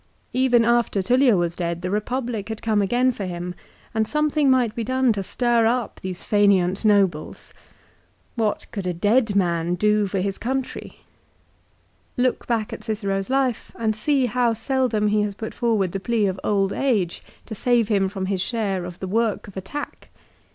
Even after Tullia was dead the Eepublic had come again for him, and something might be done to stir up these faineant nobles ! What could a dead man do for his country ? Look 1 Epis. i. 1, 14. a TUB. Disp. lib. v. ca. xi CICERO'S PHILOSOPHY. 355 back at Cicero's life and see how seldom he has put forward the plea of old age to save him from his share of the work of attack.